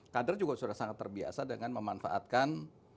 kader juga sudah sangat terbiasa dengan memanfaatkan